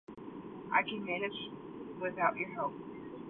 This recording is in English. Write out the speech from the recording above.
I can manage without your help.